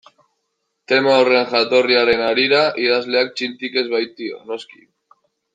Tema horren jatorriaren harira idazleak txintik ez baitio, noski.